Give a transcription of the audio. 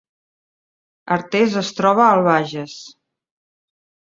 Artés es troba al Bages